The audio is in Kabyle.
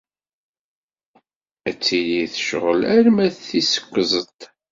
Ad tili tecɣel arma d tis kuẓet.